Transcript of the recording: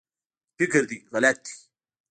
فکر دی غلط دی